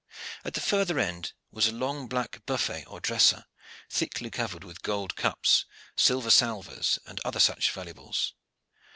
At the further end was a long black buffet or dresser, thickly covered with gold cups, silver salvers, and other such valuables.